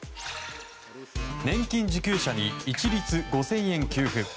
年金受給者に一律５０００円給付。